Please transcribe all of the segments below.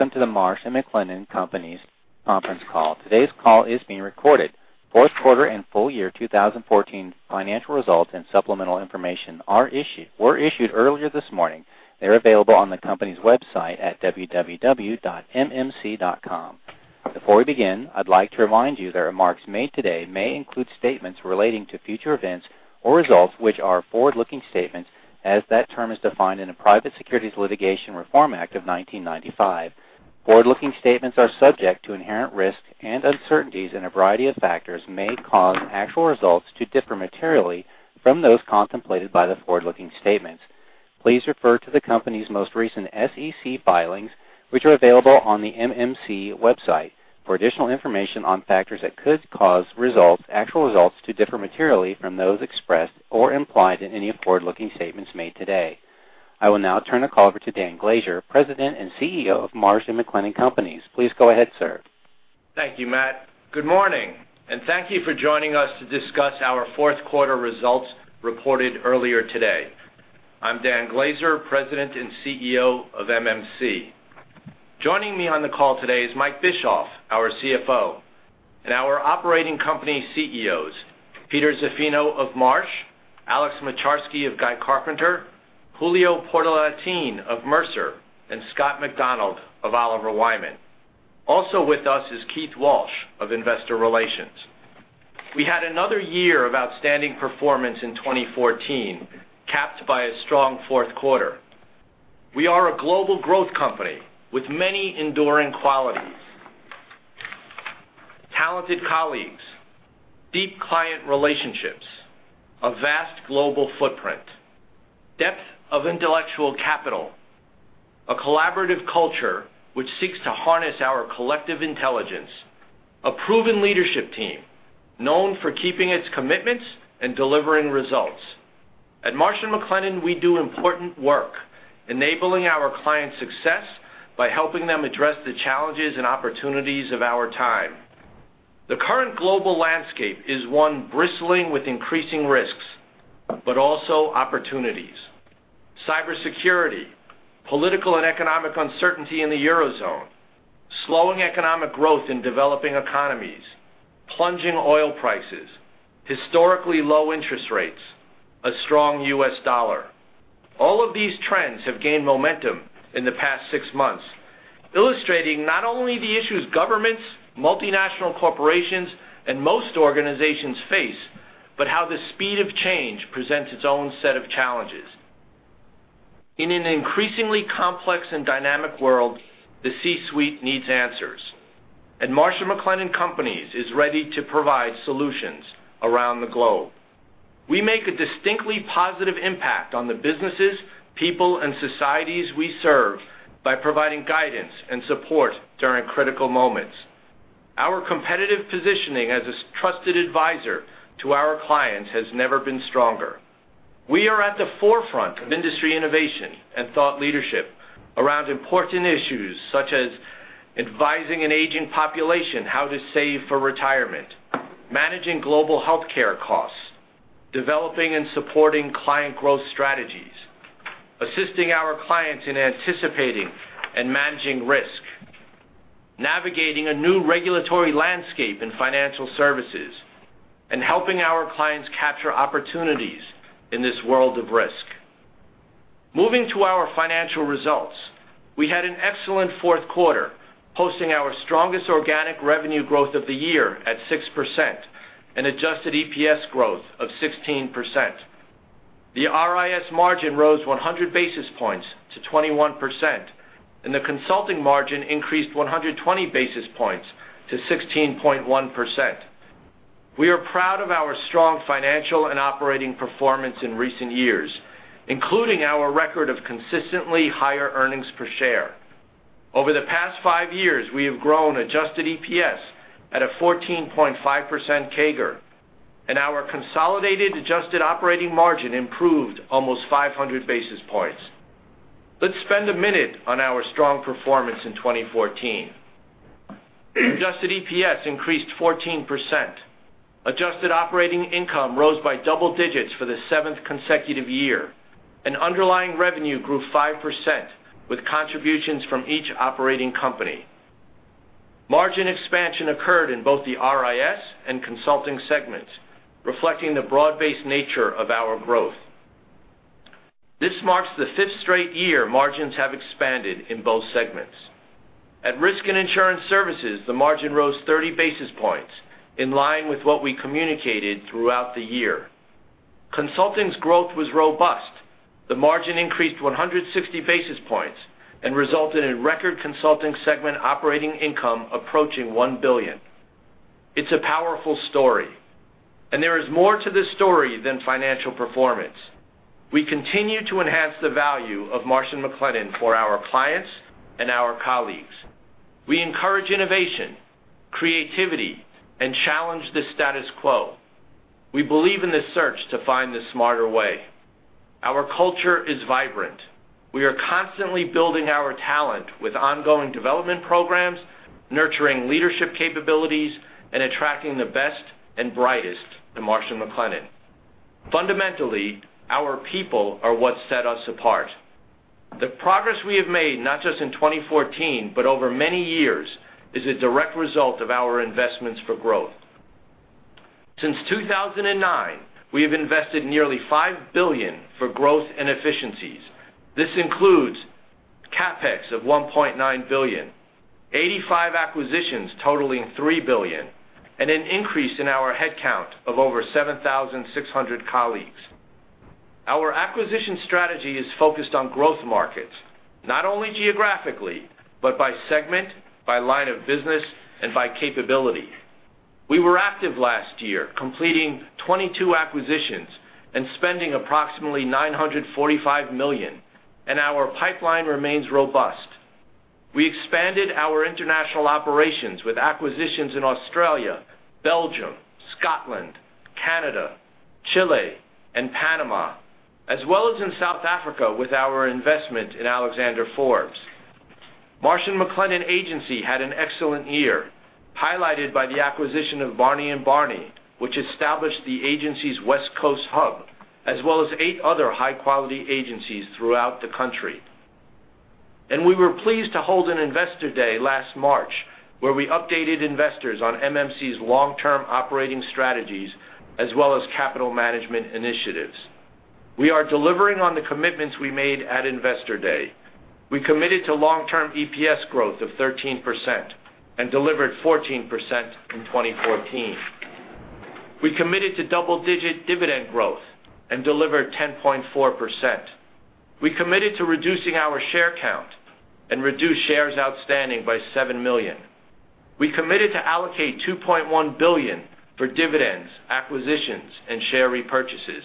Welcome to the Marsh & McLennan Companies conference call. Today's call is being recorded. Fourth quarter and full year 2014 financial results and supplemental information were issued earlier this morning. They're available on the company's website at www.mmc.com. Before we begin, I'd like to remind you that remarks made today may include statements relating to future events or results which are forward-looking statements, as that term is defined in the Private Securities Litigation Reform Act of 1995. Forward-looking statements are subject to inherent risks, and uncertainties and a variety of factors may cause actual results to differ materially from those contemplated by the forward-looking statements. Please refer to the company's most recent SEC filings, which are available on the MMC website for additional information on factors that could cause actual results to differ materially from those expressed or implied in any forward-looking statements made today. I will now turn the call over to Dan Glaser, President and CEO of Marsh & McLennan Companies. Please go ahead, sir. Thank you, Matt. Good morning, and thank you for joining us to discuss our fourth quarter results reported earlier today. I'm Dan Glaser, President and CEO of MMC. Joining me on the call today is Mike Bischoff, our CFO, and our operating company CEOs, Peter Zaffino of Marsh, Alex Moczarski of Guy Carpenter, Julio Portalatin of Mercer, and Scott McDonald of Oliver Wyman. Also with us is Keith Walsh of Investor Relations. We had another year of outstanding performance in 2014, capped by a strong fourth quarter. We are a global growth company with many enduring qualities, talented colleagues, deep client relationships, a vast global footprint, depth of intellectual capital, a collaborative culture which seeks to harness our collective intelligence, a proven leadership team known for keeping its commitments and delivering results. At Marsh & McLennan, we do important work enabling our clients' success by helping them address the challenges and opportunities of our time. The current global landscape is one bristling with increasing risks, but also opportunities. Cybersecurity, political and economic uncertainty in the Eurozone, slowing economic growth in developing economies, plunging oil prices, historically low interest rates, a strong U.S. dollar. All of these trends have gained momentum in the past six months, illustrating not only the issues governments, multinational corporations, and most organizations face, but how the speed of change presents its own set of challenges. In an increasingly complex and dynamic world, the C-suite needs answers, and Marsh & McLennan Companies is ready to provide solutions around the globe. We make a distinctly positive impact on the businesses, people, and societies we serve by providing guidance and support during critical moments. Our competitive positioning as a trusted advisor to our clients has never been stronger. We are at the forefront of industry innovation and thought leadership around important issues such as advising an aging population on how to save for retirement, managing global healthcare costs, developing and supporting client growth strategies, assisting our clients in anticipating and managing risk, navigating a new regulatory landscape in financial services, and helping our clients capture opportunities in this world of risk. We had an excellent fourth quarter, posting our strongest organic revenue growth of the year at 6%, an adjusted EPS growth of 16%. The RIS margin rose 100 basis points to 21%, and the consulting margin increased 120 basis points to 16.1%. We are proud of our strong financial and operating performance in recent years, including our record of consistently higher earnings per share. Over the past five years, we have grown adjusted EPS at a 14.5% CAGR, and our consolidated adjusted operating margin improved almost 500 basis points. Let's spend a minute on our strong performance in 2014. Adjusted EPS increased 14%. Adjusted operating income rose by double digits for the seventh consecutive year, and underlying revenue grew 5%, with contributions from each operating company. Margin expansion occurred in both the RIS and consulting segments, reflecting the broad-based nature of our growth. This marks the fifth straight year margins have expanded in both segments. At Risk and Insurance Services, the margin rose 30 basis points, in line with what we communicated throughout the year. Consulting's growth was robust. The margin increased 160 basis points and resulted in record consulting segment operating income approaching $1 billion. It's a powerful story. There is more to this story than financial performance. We continue to enhance the value of Marsh & McLennan for our clients and our colleagues. We encourage innovation, creativity, and challenge the status quo. We believe in the search to find the smarter way. Our culture is vibrant. We are constantly building our talent with ongoing development programs, nurturing leadership capabilities, and attracting the best and brightest to Marsh & McLennan. Fundamentally, our people are what set us apart. The progress we have made, not just in 2014, but over many years, is a direct result of our investments for growth. Since 2009, we have invested nearly $5 billion for growth and efficiencies. This includes CapEx of $1.9 billion, 85 acquisitions totaling $3 billion, and an increase in our headcount of over 7,600 colleagues. Our acquisition strategy is focused on growth markets, not only geographically, but by segment, by line of business, and by capability. We were active last year, completing 22 acquisitions and spending approximately $945 million. Our pipeline remains robust. We expanded our international operations with acquisitions in Australia, Belgium, Scotland, Canada, Chile, and Panama, as well as in South Africa with our investment in Alexander Forbes. Marsh & McLennan Agency had an excellent year, highlighted by the acquisition of Barney & Barney, which established the agency's West Coast hub, as well as eight other high-quality agencies throughout the country. We were pleased to hold an Investor Day last March, where we updated investors on MMC's long-term operating strategies, as well as capital management initiatives. We are delivering on the commitments we made at Investor Day. We committed to long-term EPS growth of 13% and delivered 14% in 2014. We committed to double-digit dividend growth and delivered 10.4%. We committed to reducing our share count and reduced shares outstanding by 7 million. We committed to allocate $2.1 billion for dividends, acquisitions, and share repurchases,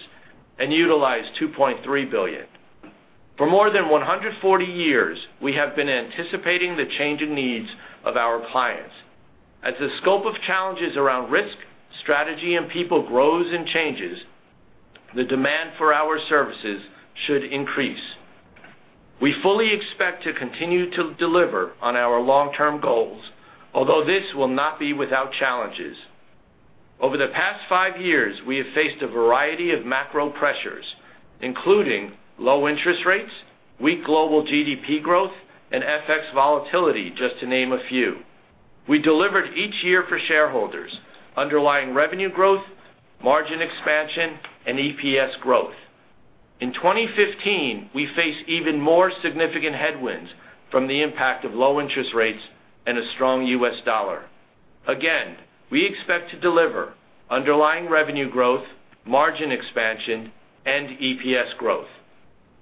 and utilized $2.3 billion. For more than 140 years, we have been anticipating the changing needs of our clients. As the scope of challenges around risk, strategy, and people grows and changes, the demand for our services should increase. We fully expect to continue to deliver on our long-term goals, although this will not be without challenges. Over the past five years, we have faced a variety of macro pressures, including low interest rates, weak global GDP growth, and FX volatility, just to name a few. We delivered each year for shareholders underlying revenue growth, margin expansion, and EPS growth. In 2015, we face even more significant headwinds from the impact of low interest rates and a strong U.S. dollar. Again, we expect to deliver underlying revenue growth, margin expansion, and EPS growth.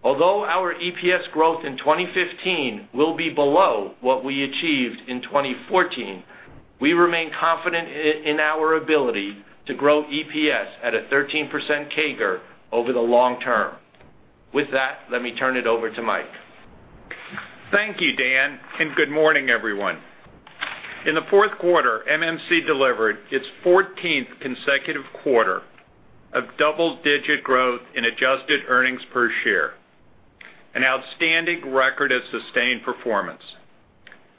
Although our EPS growth in 2015 will be below what we achieved in 2014, we remain confident in our ability to grow EPS at a 13% CAGR over the long term. With that, let me turn it over to Mike. Thank you, Dan, and good morning, everyone. In the fourth quarter, MMC delivered its 14th consecutive quarter of double-digit growth in adjusted earnings per share, an outstanding record of sustained performance.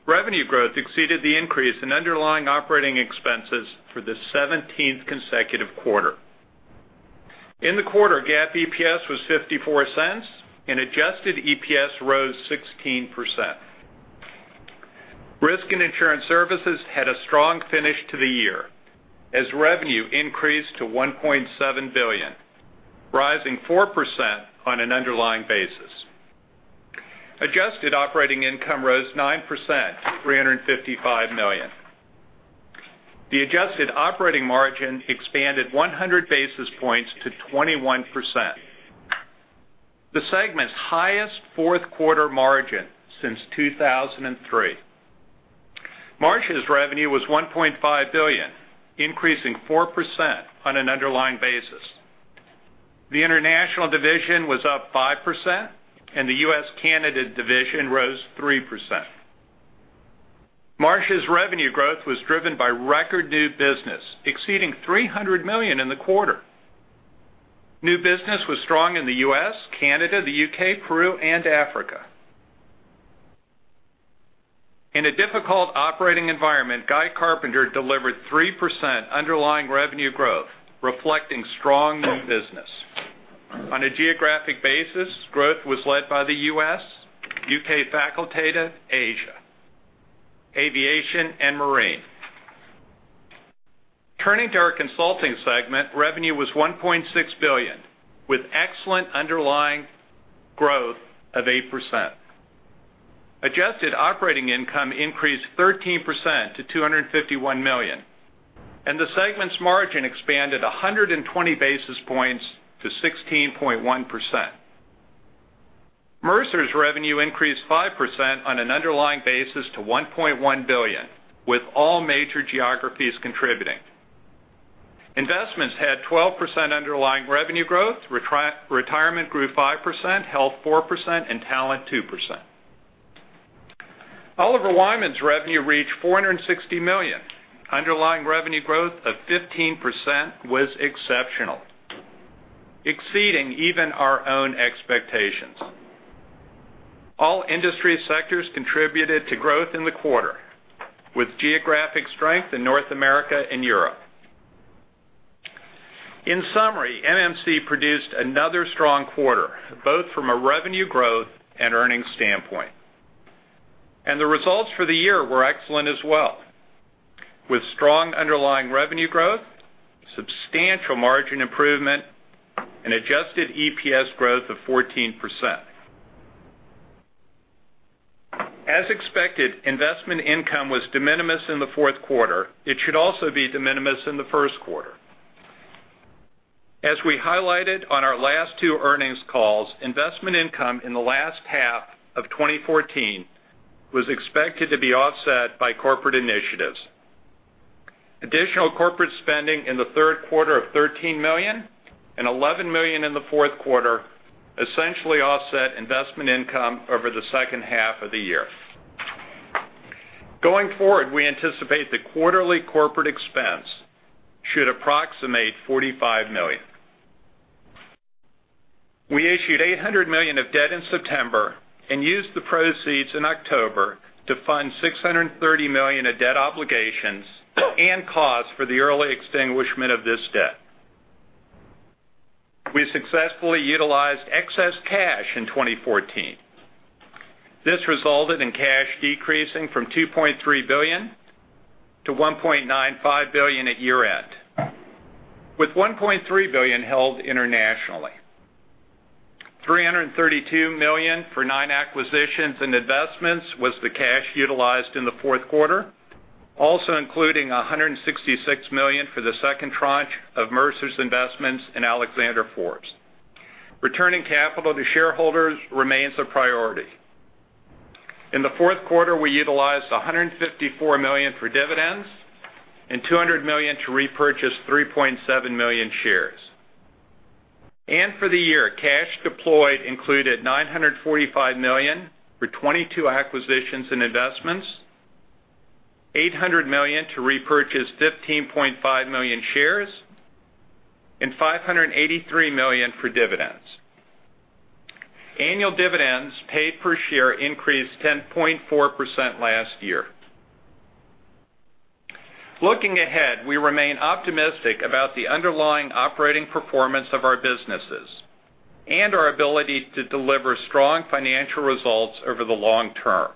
Revenue growth exceeded the increase in underlying operating expenses for the 17th consecutive quarter. In the quarter, GAAP EPS was $0.54, and adjusted EPS rose 16%. Risk and insurance services had a strong finish to the year as revenue increased to $1.7 billion, rising 4% on an underlying basis. Adjusted operating income rose 9%, to $355 million. The adjusted operating margin expanded 100 basis points to 21%, the segment's highest fourth quarter margin since 2003. Marsh's revenue was $1.5 billion, increasing 4% on an underlying basis. The international division was up 5%, and the U.S./Canada division rose 3%. Marsh's revenue growth was driven by record new business, exceeding $300 million in the quarter. New business was strong in the U.S., Canada, the U.K., Peru, and Africa. In a difficult operating environment, Guy Carpenter delivered 3% underlying revenue growth, reflecting strong new business. On a geographic basis, growth was led by the U.S., U.K. Facultative, Asia, aviation, and marine. Turning to our consulting segment, revenue was $1.6 billion, with excellent underlying growth of 8%. Adjusted operating income increased 13% to $251 million, and the segment's margin expanded 120 basis points to 16.1%. Mercer's revenue increased 5% on an underlying basis to $1.1 billion, with all major geographies contributing. Investments had 12% underlying revenue growth. Retirement grew 5%, health 4%, and talent 2%. Oliver Wyman's revenue reached $460 million. Underlying revenue growth of 15% was exceptional, exceeding even our own expectations. All industry sectors contributed to growth in the quarter, with geographic strength in North America and Europe. In summary, MMC produced another strong quarter, both from a revenue growth and earnings standpoint. The results for the year were excellent as well, with strong underlying revenue growth, substantial margin improvement, and adjusted EPS growth of 14%. As expected, investment income was de minimis in the fourth quarter. It should also be de minimis in the first quarter. As we highlighted on our last two earnings calls, investment income in the last half of 2014 was expected to be offset by corporate initiatives. Additional corporate spending in the third quarter of $13 million and $11 million in the fourth quarter essentially offset investment income over the second half of the year. Going forward, we anticipate the quarterly corporate expense should approximate $45 million. We issued $800 million of debt in September and used the proceeds in October to fund $630 million of debt obligations and costs for the early extinguishment of this debt. We successfully utilized excess cash in 2014. This resulted in cash decreasing from $2.3 billion to $1.95 billion at year-end, with $1.3 billion held internationally. $332 million for nine acquisitions and investments was the cash utilized in the fourth quarter, also including $166 million for the second tranche of Mercer's investments in Alexander Forbes. Returning capital to shareholders remains a priority. In the fourth quarter, we utilized $154 million for dividends and $200 million to repurchase 3.7 million shares. For the year, cash deployed included $945 million for 22 acquisitions and investments, $800 million to repurchase 15.5 million shares, and $583 million for dividends. Annual dividends paid per share increased 10.4% last year. Looking ahead, we remain optimistic about the underlying operating performance of our businesses and our ability to deliver strong financial results over the long term.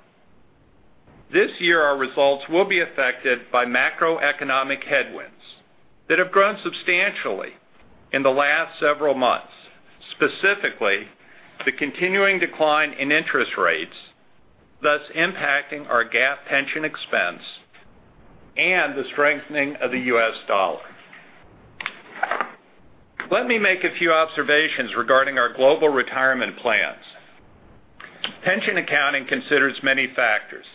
This year, our results will be affected by macroeconomic headwinds that have grown substantially in the last several months, specifically the continuing decline in interest rates, thus impacting our GAAP pension expense and the strengthening of the U.S. dollar. Let me make a few observations regarding our global retirement plans. Pension accounting considers many factors.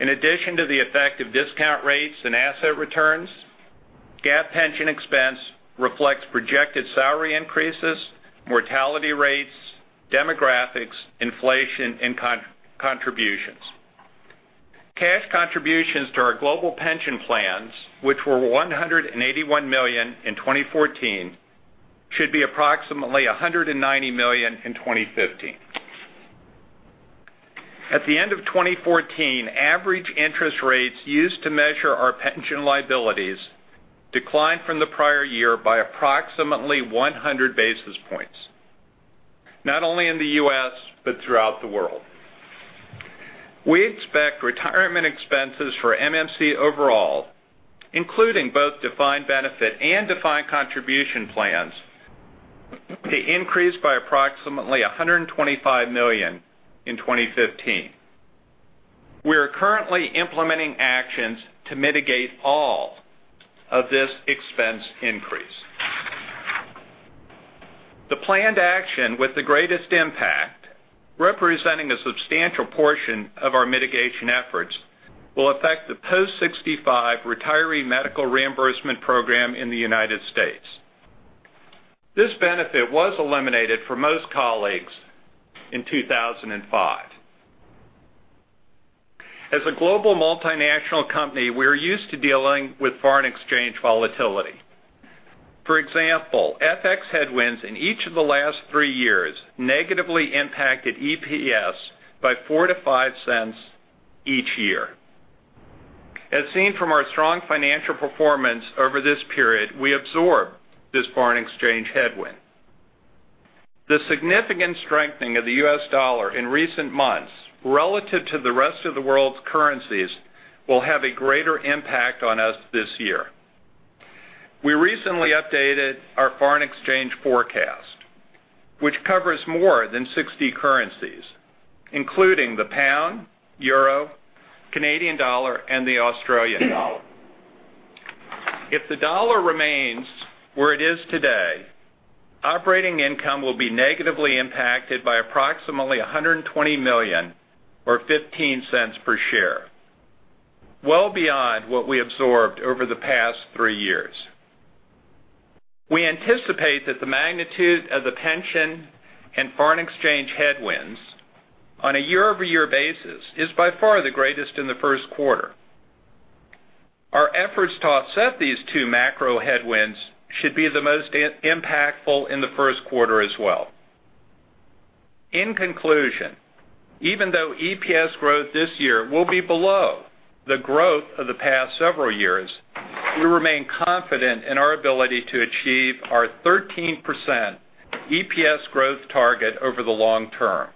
In addition to the effect of discount rates and asset returns, GAAP pension expense reflects projected salary increases, mortality rates, demographics, inflation, and contributions. Cash contributions to our global pension plans, which were $181 million in 2014, should be approximately $190 million in 2015. At the end of 2014, average interest rates used to measure our pension liabilities declined from the prior year by approximately 100 basis points, not only in the U.S. but throughout the world. We expect retirement expenses for MMC overall, including both defined benefit and defined contribution plans, to increase by approximately $125 million in 2015. We are currently implementing actions to mitigate all of this expense increase. The planned action with the greatest impact, representing a substantial portion of our mitigation efforts, will affect the post-65 retiree medical reimbursement program in the U.S. This benefit was eliminated for most colleagues in 2005. As a global multinational company, we're used to dealing with foreign exchange volatility. For example, FX headwinds in each of the last three years negatively impacted EPS by $0.04-$0.05 each year. As seen from our strong financial performance over this period, we absorbed this foreign exchange headwind. The significant strengthening of the U.S. dollar in recent months relative to the rest of the world's currencies will have a greater impact on us this year. We recently updated our foreign exchange forecast, which covers more than 60 currencies, including the pound, euro, Canadian dollar, and the Australian dollar. If the dollar remains where it is today, operating income will be negatively impacted by approximately $120 million or $0.15 per share, well beyond what we absorbed over the past three years. We anticipate that the magnitude of the pension and foreign exchange headwinds on a year-over-year basis is by far the greatest in the first quarter. Our efforts to offset these two macro headwinds should be the most impactful in the first quarter as well. In conclusion, even though EPS growth this year will be below the growth of the past several years, we remain confident in our ability to achieve our 13% EPS growth target over the long term.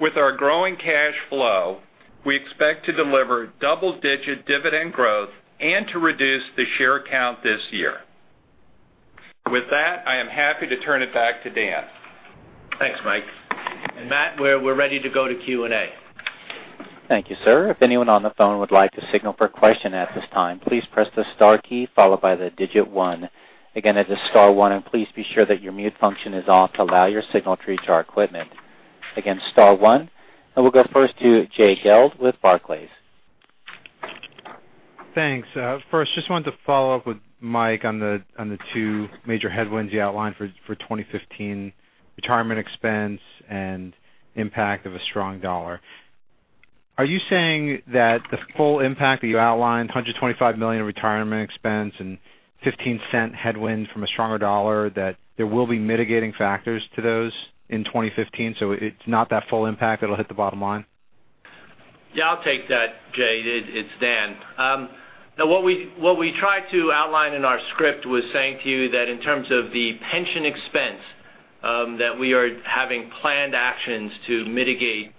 With our growing cash flow, we expect to deliver double-digit dividend growth and to reduce the share count this year. With that, I am happy to turn it back to Dan. Thanks, Mike. Matt, we're ready to go to Q&A. Thank you, sir. If anyone on the phone would like to signal for a question at this time, please press the star key followed by the digit one. Again, that is star one. Please be sure that your mute function is off to allow your signal to reach our equipment. Again, star one. We'll go first to Jay Gelb with Barclays. Thanks. First, just wanted to follow up with Mike on the two major headwinds you outlined for 2015, retirement expense and impact of a strong dollar. Are you saying that the full impact that you outlined, $125 million in retirement expense and $0.15 headwind from a stronger dollar, that there will be mitigating factors to those in 2015, so it's not that full impact that'll hit the bottom line? Yeah, I'll take that, Jay. It's Dan. What we tried to outline in our script was saying to you that in terms of the pension expense, that we are having planned actions to mitigate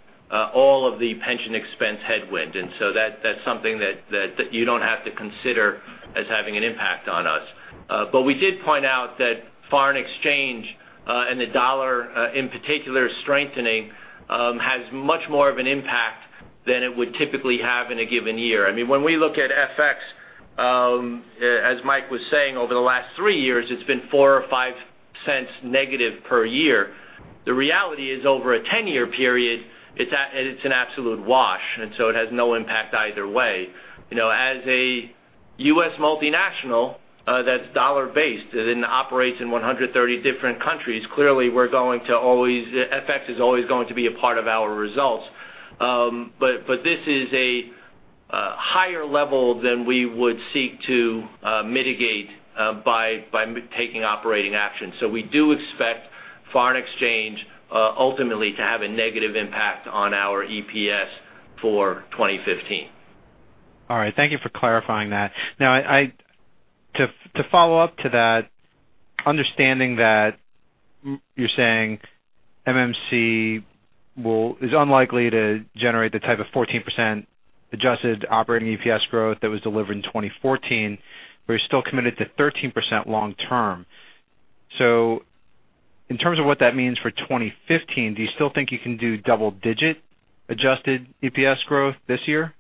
all of the pension expense headwind, that's something that you don't have to consider as having an impact on us. We did point out that foreign exchange, and the dollar in particular strengthening, has much more of an impact than it would typically have in a given year. When we look at FX, as Mike was saying, over the last three years, it's been $0.04 or $0.05 negative per year. The reality is over a 10-year period, it's an absolute wash, it has no impact either way. As a U.S. multinational that's dollar-based and operates in 130 different countries, clearly FX is always going to be a part of our results. This is a higher level than we would seek to mitigate by taking operating action. We do expect foreign exchange ultimately to have a negative impact on our EPS for 2015. All right. Thank you for clarifying that. Now, to follow up to that, understanding that you're saying MMC is unlikely to generate the type of 14% adjusted operating EPS growth that was delivered in 2014, you're still committed to 13% long term. In terms of what that means for 2015, do you still think you can do double-digit adjusted EPS growth this year?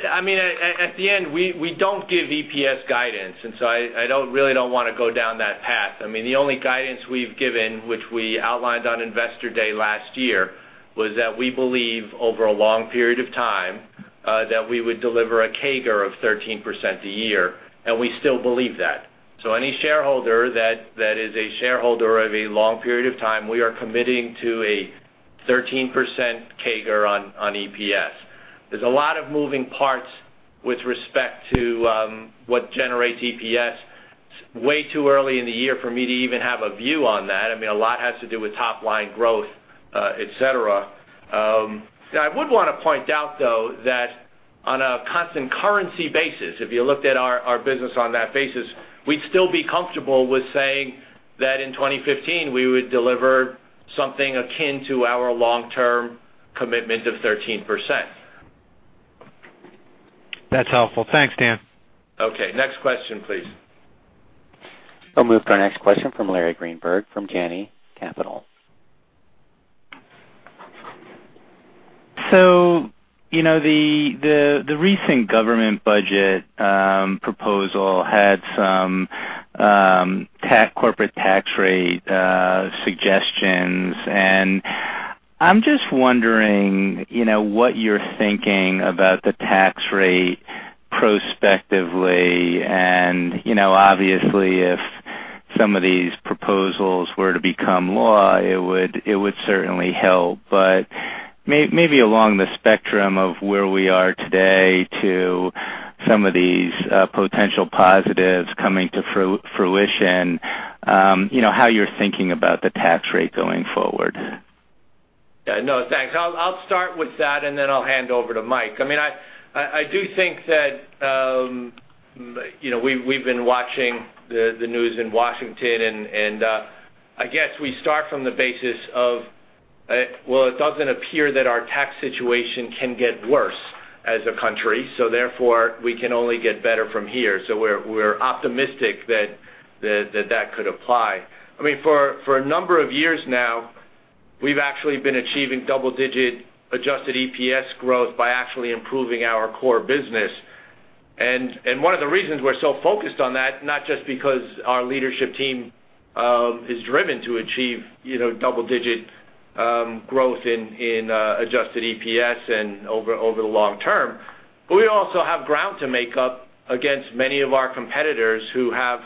At the end, we don't give EPS guidance. I really don't want to go down that path. The only guidance we've given, which we outlined on Investor Day last year, was that we believe over a long period of time that we would deliver a CAGR of 13% a year. We still believe that. Any shareholder that is a shareholder of a long period of time, we are committing to a 13% CAGR on EPS. There's a lot of moving parts with respect to what generates EPS. It's way too early in the year for me to even have a view on that. A lot has to do with top-line growth, et cetera. I would want to point out, though, that on a constant currency basis, if you looked at our business on that basis, we'd still be comfortable with saying that in 2015, we would deliver something akin to our long-term commitment of 13%. That's helpful. Thanks, Dan. Okay, next question, please. I'll move to our next question from Larry Greenberg from Janney Capital. The recent government budget proposal had some corporate tax rate suggestions, and I'm just wondering what you're thinking about the tax rate prospectively and, obviously, if some of these proposals were to become law, it would certainly help. But maybe along the spectrum of where we are today to some of these potential positives coming to fruition, how you're thinking about the tax rate going forward. Yeah. No, thanks. I'll start with that, and then I'll hand over to Mike. I do think that we've been watching the news in Washington, and I guess we start from the basis of, well, it doesn't appear that our tax situation can get worse as a country, therefore we can only get better from here. We're optimistic that that could apply. For a number of years now, we've actually been achieving double-digit adjusted EPS growth by actually improving our core business. One of the reasons we're so focused on that, not just because our leadership team is driven to achieve double-digit growth in adjusted EPS and over the long term, but we also have ground to make up against many of our competitors who have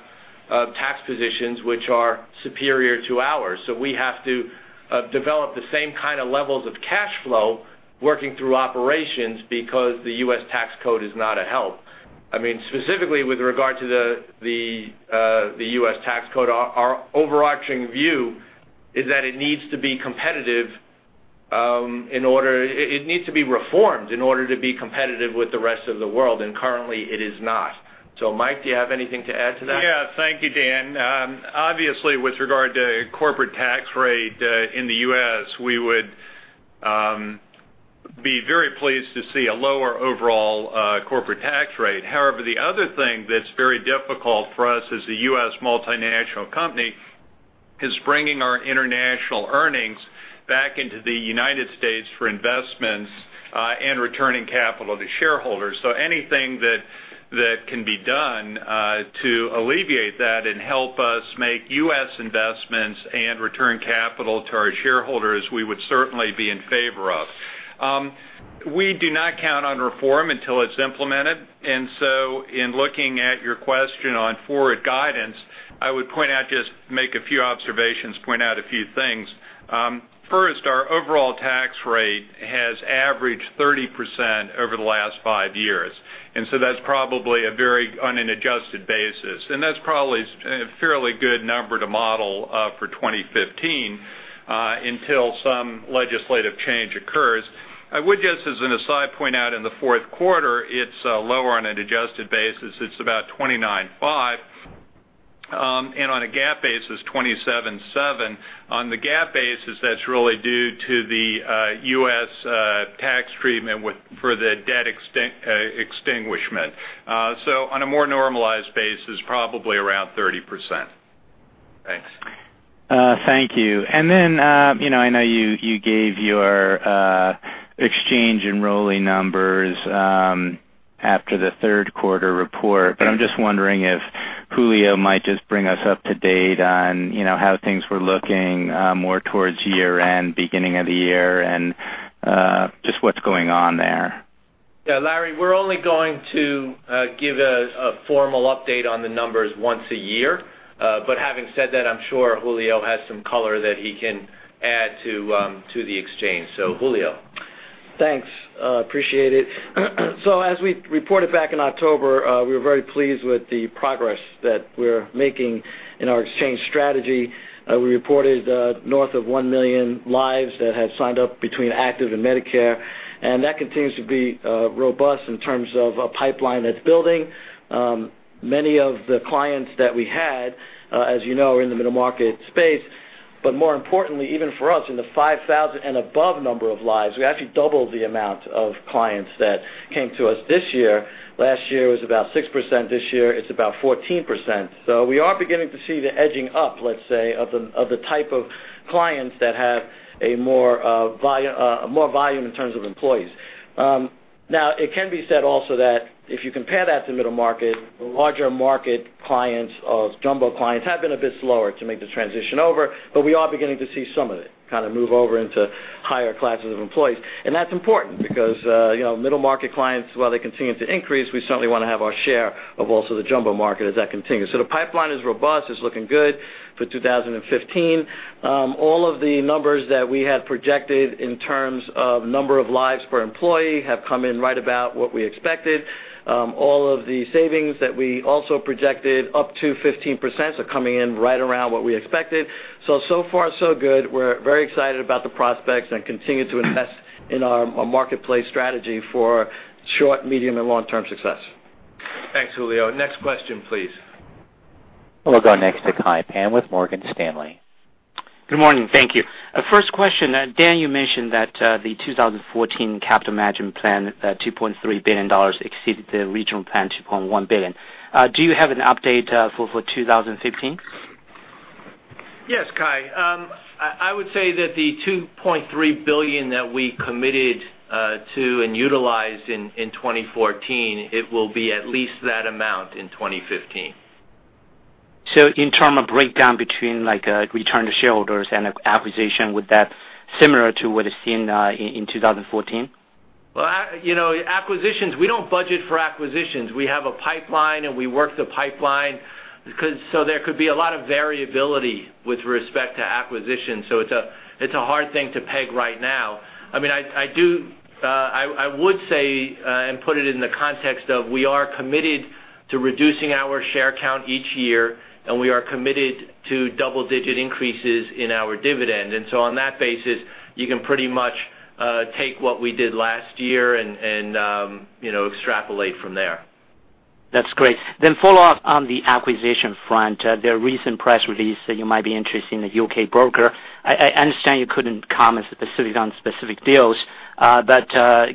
tax positions which are superior to ours. We have to develop the same kind of levels of cash flow working through operations because the U.S. tax code is not a help. Specifically with regard to the U.S. tax code, our overarching view is that it needs to be reformed in order to be competitive with the rest of the world, and currently it is not. Mike, do you have anything to add to that? Thank you, Dan. Obviously, with regard to corporate tax rate in the U.S., we would be very pleased to see a lower overall corporate tax rate. However, the other thing that's very difficult for us as a U.S. multinational company is bringing our international earnings back into the United States for investments and returning capital to shareholders. Anything that can be done to alleviate that and help us make U.S. investments and return capital to our shareholders, we would certainly be in favor of. We do not count on reform until it's implemented. In looking at your question on forward guidance, I would just make a few observations, point out a few things. First, our overall tax rate has averaged 30% over the last 5 years on an adjusted basis. That's probably a fairly good number to model for 2015, until some legislative change occurs. I would just as an aside point out in the fourth quarter, it's lower on an adjusted basis. It's about 29.5. On a GAAP basis, 27.7. On the GAAP basis, that's really due to the U.S. tax treatment for the debt extinguishment. On a more normalized basis, probably around 30%. Thanks. Thank you. I know you gave your exchange enrollee numbers after the third quarter report, I'm just wondering if Julio might just bring us up to date on how things were looking more towards year-end, beginning of the year, and just what's going on there. Larry, we're only going to give a formal update on the numbers once a year. Having said that, I'm sure Julio has some color that he can add to the exchange. Julio. Thanks. Appreciate it. As we reported back in October, we were very pleased with the progress that we're making in our exchange strategy. We reported north of 1 million lives that have signed up between active and Medicare, and that continues to be robust in terms of a pipeline that's building. Many of the clients that we had, as you know, are in the middle market space. More importantly, even for us, in the 5,000 and above number of lives, we actually doubled the amount of clients that came to us this year. Last year was about 6%, this year it's about 14%. We are beginning to see the edging up, let's say, of the type of clients that have more volume in terms of employees. It can be said also that if you compare that to middle market, the larger market clients or jumbo clients have been a bit slower to make the transition over, we are beginning to see some of it kind of move over into higher classes of employees. That's important because middle market clients, while they continue to increase, we certainly want to have our share of also the jumbo market as that continues. The pipeline is robust, it's looking good for 2015. All of the numbers that we had projected in terms of number of lives per employee have come in right about what we expected. All of the savings that we also projected up to 15% are coming in right around what we expected. So far so good. We're very excited about the prospects and continue to invest in our marketplace strategy for short, medium, and long-term success. Thanks, Julio. Next question, please. We'll go next to Kai Pan with Morgan Stanley. Good morning. Thank you. First question. Dan, you mentioned that the 2014 capital management plan, $2.3 billion exceeded the original plan, $2.1 billion. Do you have an update for 2015? Yes, Kai. I would say that the $2.3 billion that we committed to and utilized in 2014, it will be at least that amount in 2015. In term of breakdown between return to shareholders and acquisition, would that similar to what is seen in 2014? Well, acquisitions, we don't budget for acquisitions. We have a pipeline and we work the pipeline. There could be a lot of variability with respect to acquisitions. It's a hard thing to peg right now. I would say and put it in the context of we are committed to reducing our share count each year, and we are committed to double-digit increases in our dividend. On that basis, you can pretty much take what we did last year and extrapolate from there. That's great. Follow up on the acquisition front, the recent press release that you might be interested in the U.K. broker. I understand you couldn't comment on specific deals, but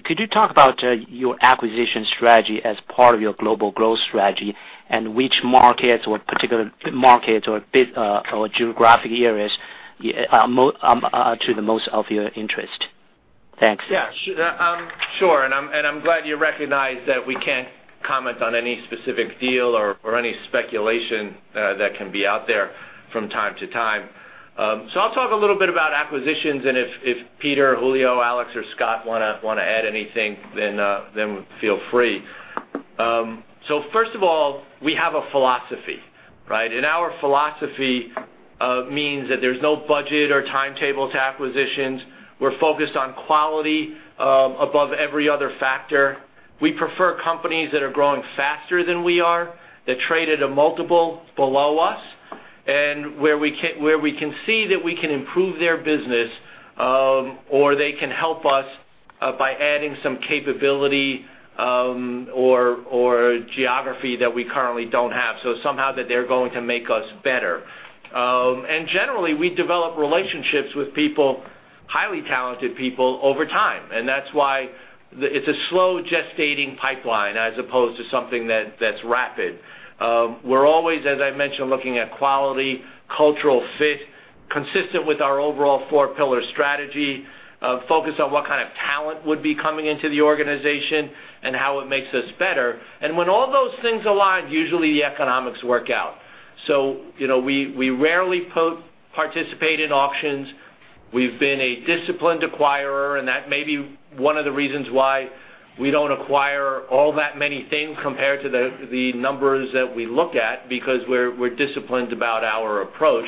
could you talk about your acquisition strategy as part of your global growth strategy and which markets or particular markets or geographic areas are to the most of your interest? Thanks. Yeah. Sure. I'm glad you recognize that we can't comment on any specific deal or any speculation that can be out there from time to time. I'll talk a little bit about acquisitions, and if Peter, Julio, Alex, or Scott want to add anything, then feel free. First of all, we have a philosophy, right? Our philosophy means that there's no budget or timetable to acquisitions. We're focused on quality above every other factor. We prefer companies that are growing faster than we are, that trade at a multiple below us, and where we can see that we can improve their business or they can help us by adding some capability or geography that we currently don't have. Somehow that they're going to make us better. Generally, we develop relationships with people, highly talented people, over time. That's why it's a slow gestating pipeline as opposed to something that's rapid. We're always, as I mentioned, looking at quality, cultural fit, consistent with our overall four-pillar strategy, focused on what kind of talent would be coming into the organization and how it makes us better. When all those things align, usually the economics work out. We rarely participate in auctions. We've been a disciplined acquirer, and that may be one of the reasons why we don't acquire all that many things compared to the numbers that we look at, because we're disciplined about our approach.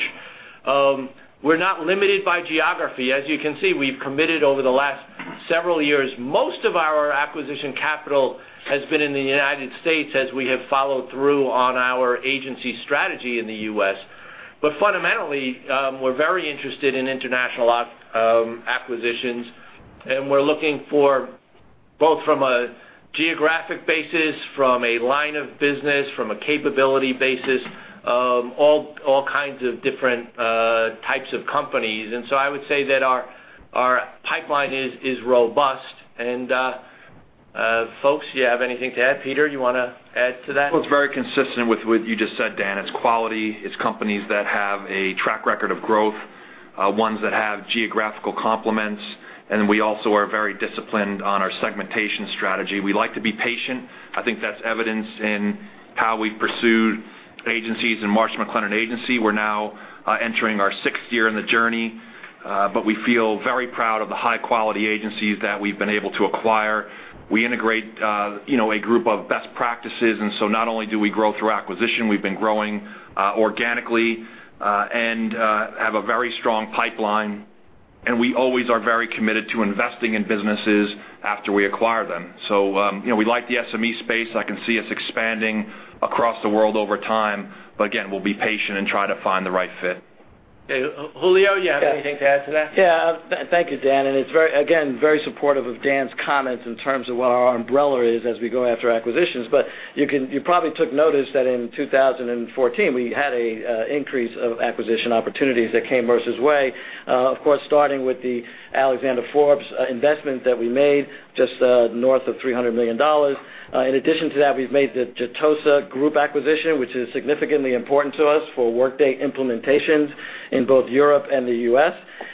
We're not limited by geography. As you can see, we've committed over the last several years, most of our acquisition capital has been in the United States as we have followed through on our agency strategy in the U.S. Fundamentally, we're very interested in international acquisitions, and we're looking for, both from a geographic basis, from a line of business, from a capability basis, all kinds of different types of companies. I would say that our pipeline is robust. Folks, you have anything to add? Peter, you want to add to that? Well, it's very consistent with what you just said, Dan. It's quality. It's companies that have a track record of growth, ones that have geographical complements, and we also are very disciplined on our segmentation strategy. We like to be patient. I think that's evidenced in how we've pursued agencies in Marsh & McLennan Agency. We're now entering our sixth year in the journey, but we feel very proud of the high-quality agencies that we've been able to acquire. We integrate a group of best practices. Not only do we grow through acquisition, we've been growing organically and have a very strong pipeline, and we always are very committed to investing in businesses after we acquire them. We like the SME space. I can see us expanding across the world over time, but again, we'll be patient and try to find the right fit. Julio, you have anything to add to that? Yeah. Thank you, Dan, and it's, again, very supportive of Dan's comments in terms of what our umbrella is as we go after acquisitions. You probably took notice that in 2014, we had an increase of acquisition opportunities that came Mercer's way. Of course, starting with the Alexander Forbes investment that we made just north of $300 million. In addition to that, we've made the Jeitosa Group acquisition, which is significantly important to us for Workday implementations in both Europe and the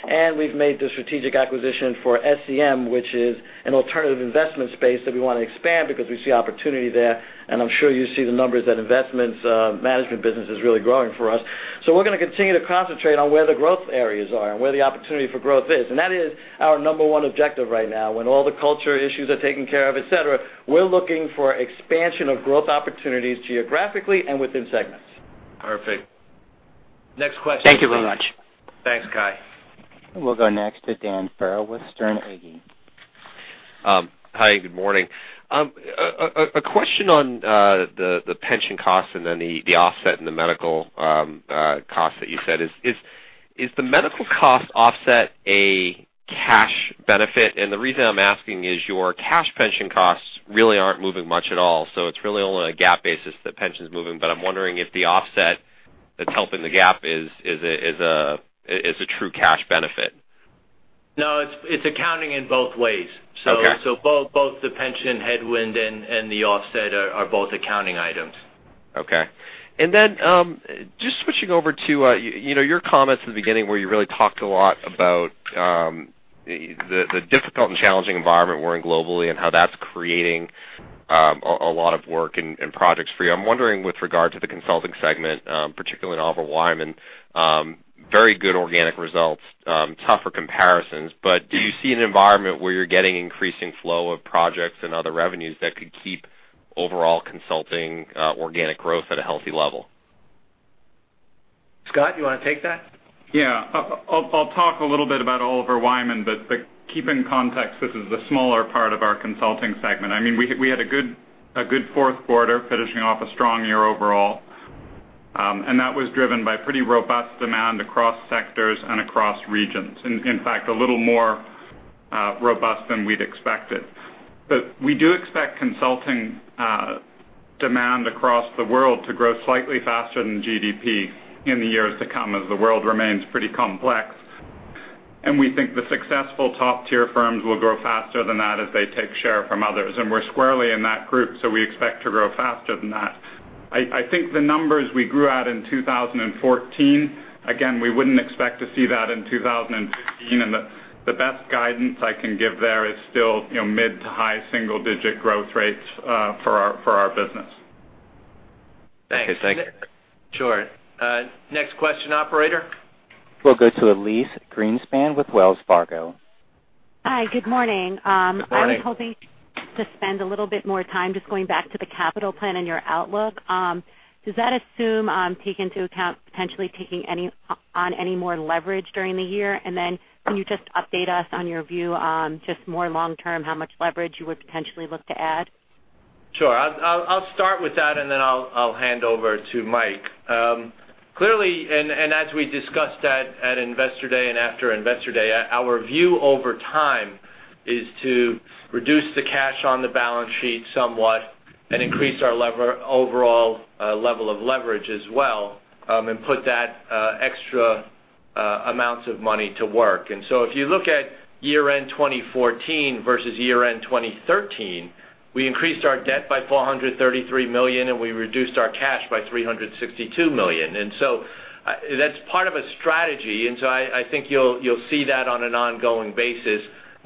U.S. We've made the strategic acquisition for SCM, which is an alternative investment space that we want to expand because we see opportunity there, and I'm sure you see the numbers, that investments management business is really growing for us. We're going to continue to concentrate on where the growth areas are and where the opportunity for growth is, and that is our number one objective right now. When all the culture issues are taken care of, et cetera, we're looking for expansion of growth opportunities geographically and within segments. Perfect. Next question. Thank you very much. Thanks, Kai. We'll go next to Dan Farrell with Sterne Agee. Hi, good morning. A question on the pension cost and then the offset in the medical cost that you said. Is the medical cost offset a cash benefit? The reason I'm asking is your cash pension costs really aren't moving much at all, it's really only on a GAAP basis that pension's moving, but I'm wondering if the offset that's helping the GAAP is a true cash benefit. No, it's accounting in both ways. Okay. Both the pension headwind and the offset are both accounting items. Okay. Then, just switching over to your comments in the beginning, where you really talked a lot about the difficult and challenging environment we're in globally and how that's creating a lot of work and projects for you. I'm wondering, with regard to the consulting segment, particularly in Oliver Wyman, very good organic results, tougher comparisons, but do you see an environment where you're getting increasing flow of projects and other revenues that could keep overall consulting organic growth at a healthy level? Scott, you want to take that? Yeah. I'll talk a little bit about Oliver Wyman, but keep in context, this is the smaller part of our consulting segment. We had a good fourth quarter, finishing off a strong year overall. That was driven by pretty robust demand across sectors and across regions. In fact, a little more robust than we'd expected. We do expect consulting demand across the world to grow slightly faster than GDP in the years to come, as the world remains pretty complex. We think the successful top-tier firms will grow faster than that as they take share from others. We're squarely in that group, so we expect to grow faster than that. I think the numbers we grew at in 2014, again, we wouldn't expect to see that in 2015, the best guidance I can give there is still mid to high single-digit growth rates for our business. Thanks. Okay, thank you. Sure. Next question, operator. We'll go to Elyse Greenspan with Wells Fargo. Hi, good morning. Good morning. I was hoping to spend a little bit more time just going back to the capital plan and your outlook. Does that assume take into account potentially taking on any more leverage during the year? Can you just update us on your view on just more long-term, how much leverage you would potentially look to add? Sure. I'll start with that, then I'll hand over to Mike. Clearly, as we discussed at Investor Day and after Investor Day, our view over time is to reduce the cash on the balance sheet somewhat and increase our overall level of leverage as well, and put that extra amounts of money to work. If you look at year-end 2014 versus year-end 2013, we increased our debt by $433 million, and we reduced our cash by $362 million. That's part of a strategy. I think you'll see that on an ongoing basis,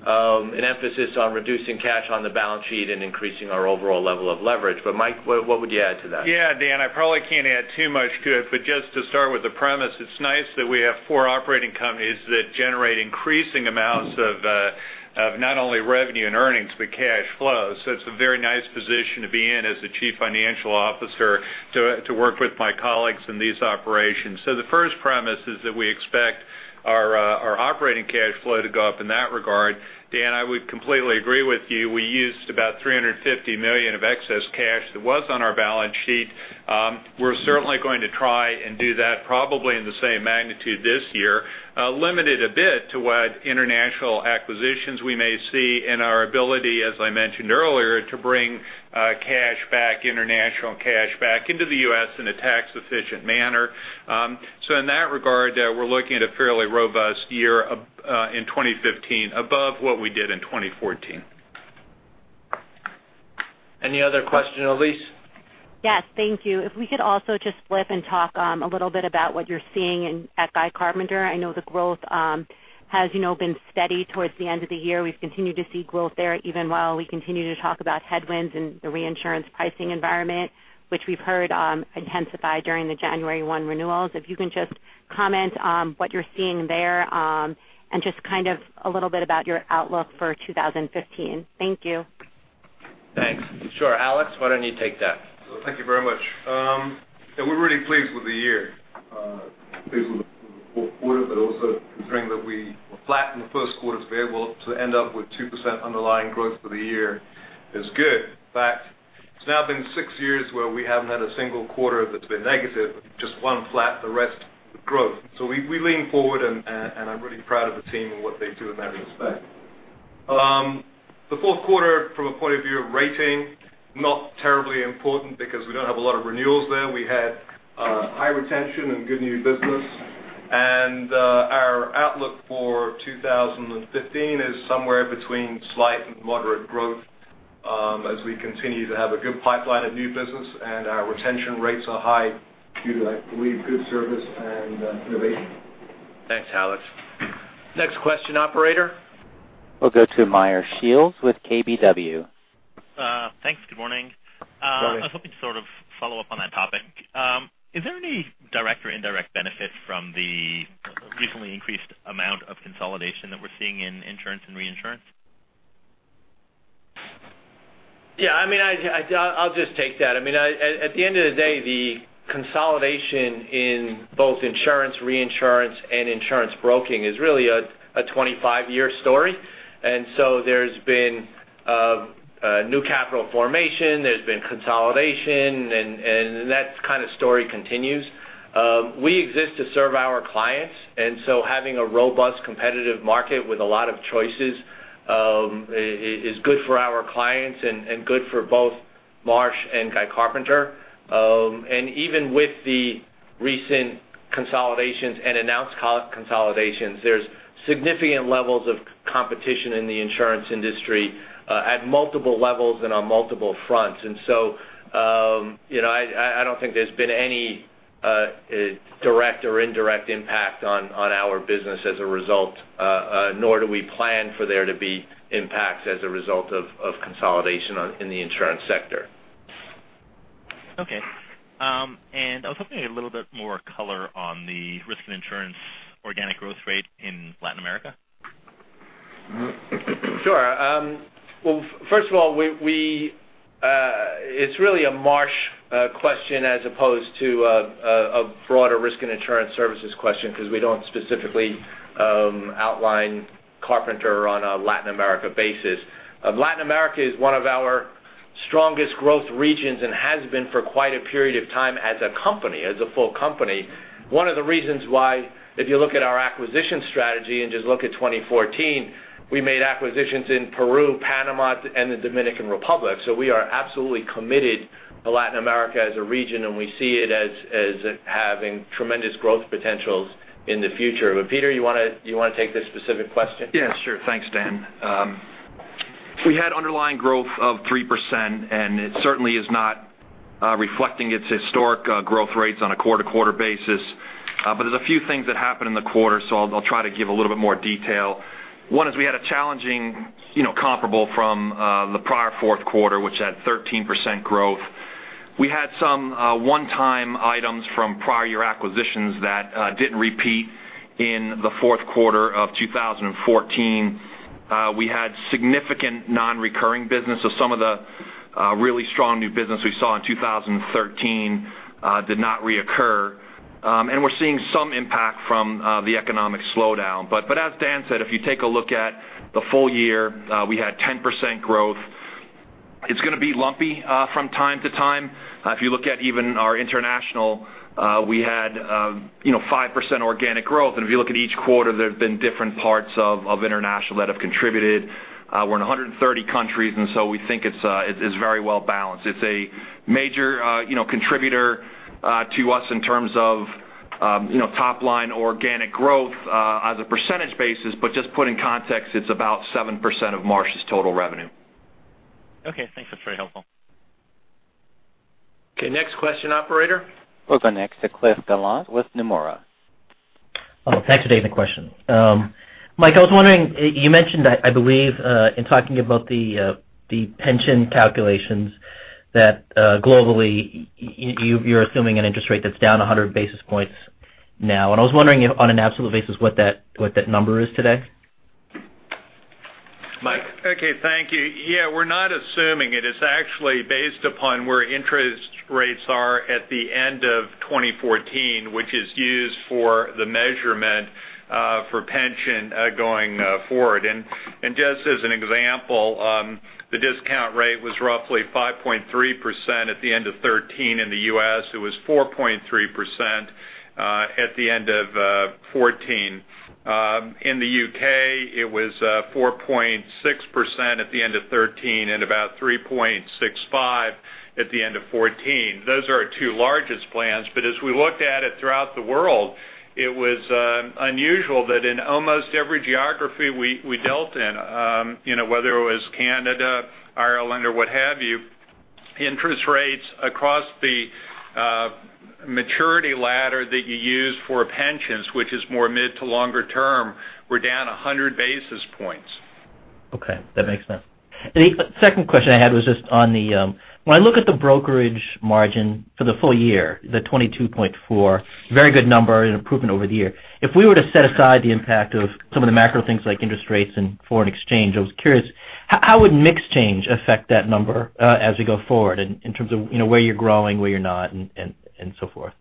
an emphasis on reducing cash on the balance sheet and increasing our overall level of leverage. Mike, what would you add to that? Yeah, Dan, I probably can't add too much to it, just to start with the premise, it's nice that we have four operating companies that generate increasing amounts of not only revenue and earnings, but cash flow. It's a very nice position to be in as a chief financial officer to work with my colleagues in these operations. The first premise is that we expect our operating cash flow to go up in that regard. Dan, I would completely agree with you. We used about $350 million of excess cash that was on our balance sheet. We're certainly going to try and do that probably in the same magnitude this year limited a bit to what international acquisitions we may see and our ability, as I mentioned earlier, to bring cash back, international cash back into the U.S. in a tax-efficient manner. In that regard, we're looking at a fairly robust year in 2015 above what we did in 2014. Any other question, Elyse? Yes, thank you. If we could also just flip and talk a little bit about what you're seeing at Guy Carpenter. I know the growth has been steady towards the end of the year. We've continued to see growth there even while we continue to talk about headwinds and the reinsurance pricing environment, which we've heard intensify during the January 1 renewals. If you can just comment on what you're seeing there, and just kind of a little bit about your outlook for 2015. Thank you. Thanks. Sure. Alex, why don't you take that? Thank you very much. Yeah, we're really pleased with the year, pleased with the fourth quarter, but also considering that we were flat in the first quarter, to be able to end up with 2% underlying growth for the year is good. In fact, it's now been six years where we haven't had a single quarter that's been negative, just one flat, the rest with growth. We lean forward, and I'm really proud of the team and what they do in that respect. The fourth quarter from a point of view of rating, not terribly important because we don't have a lot of renewals there. We had high retention and good new business. Our outlook for 2015 is somewhere between slight and moderate growth, as we continue to have a good pipeline of new business and our retention rates are high due to, I believe, good service and innovation. Thanks, Alex. Next question, operator. We'll go to Meyer Shields with KBW. Thanks. Good morning. Good morning. I was hoping to sort of follow up on that topic. Is there any direct or indirect benefit from the recently increased amount of consolidation that we're seeing in insurance and reinsurance? Yeah, I'll just take that. At the end of the day, the consolidation in both insurance, reinsurance, and insurance broking is really a 25-year story. There's been new capital formation, there's been consolidation, and that kind of story continues. We exist to serve our clients, and so having a robust competitive market with a lot of choices is good for our clients and good for both Marsh and Guy Carpenter. Even with the recent consolidations and announced consolidations, there's significant levels of competition in the insurance industry at multiple levels and on multiple fronts. I don't think there's been any direct or indirect impact on our business as a result, nor do we plan for there to be impacts as a result of consolidation in the insurance sector. Okay. I was hoping a little bit more color on the risk and insurance organic growth rate in Latin America. Sure. Well, first of all it's really a Marsh question as opposed to a broader risk and insurance services question because we don't specifically outline Carpenter on a Latin America basis. Latin America is one of our strongest growth regions and has been for quite a period of time as a company, as a full company. One of the reasons why, if you look at our acquisition strategy and just look at 2014, we made acquisitions in Peru, Panama, and the Dominican Republic. We are absolutely committed to Latin America as a region, and we see it as having tremendous growth potentials in the future. Peter, you want to take this specific question? Yeah, sure. Thanks, Dan. We had underlying growth of 3%, it certainly is not reflecting its historic growth rates on a quarter-to-quarter basis. There's a few things that happened in the quarter, I'll try to give a little bit more detail. One is we had a challenging comparable from the prior fourth quarter, which had 13% growth. We had some one-time items from prior year acquisitions that didn't repeat in the fourth quarter of 2014. We had significant non-recurring business, some of the really strong new business we saw in 2013 did not reoccur. We're seeing some impact from the economic slowdown. As Dan said, if you take a look at the full year, we had 10% growth. It's going to be lumpy from time to time. If you look at even our international, we had 5% organic growth. If you look at each quarter, there have been different parts of international that have contributed. We're in 130 countries, we think it's very well balanced. It's a major contributor to us in terms of top line organic growth on a percentage basis. Just put in context, it's about 7% of Marsh's total revenue. Okay, thanks. That's very helpful. Okay, next question, operator. We'll go next to Cliff Gallant with Nomura. Thanks for taking the question. Michael, I was wondering, you mentioned, I believe, in talking about the pension calculations, that globally, you're assuming an interest rate that's down 100 basis points now. I was wondering on an absolute basis what that number is today? Mike? Okay, thank you. Yeah, we're not assuming it. It's actually based upon where interest rates are at the end of 2014, which is used for the measurement for pension going forward. Just as an example, the discount rate was roughly 5.3% at the end of 2013 in the U.S. It was 4.3% at the end of 2014. In the U.K., it was 4.6% at the end of 2013 and about 3.65% at the end of 2014. Those are our two largest plans. As we looked at it throughout the world, it was unusual that in almost every geography we dealt in, whether it was Canada, Ireland, or what have you, interest rates across the maturity ladder that you use for pensions, which is more mid to longer term, were down 100 basis points. Okay, that makes sense. The second question I had was just when I look at the brokerage margin for the full year, the 22.4%, very good number and improvement over the year. If we were to set aside the impact of some of the macro things like interest rates and foreign exchange, I was curious, how would mix change affect that number as we go forward in terms of where you're growing, where you're not, and so forth?